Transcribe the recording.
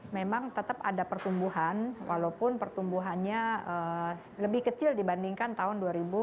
memang tetap ada pertumbuhan walaupun pertumbuhannya lebih kecil dibandingkan tahun dua ribu dua puluh